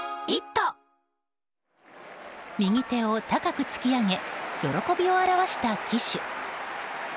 右手を高く突き上げ喜びを表した騎手。